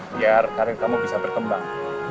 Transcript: biar karir kamu bisa berkembang